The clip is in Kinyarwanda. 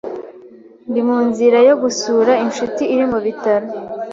Ndi mu nzira yo gusura inshuti iri mu bitaro.